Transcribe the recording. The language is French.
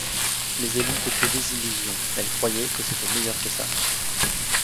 Mais elle eut quelque désillusion, elle croyait que c’était meilleur que ça.